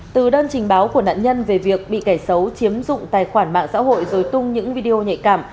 từ đơn trình báo của nạn nhân về việc bị kẻ xấu chiếm dụng tài khoản mạng xã hội rồi tung những video nhạy cảm